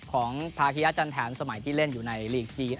ของภาคิยะจันแถมสมัยที่เล่นอยู่ในลีกจีน